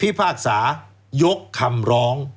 พากษายกคำร้อง